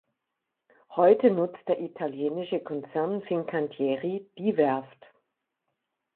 Heute nutzt der italienische Konzern Fincantieri die Werft.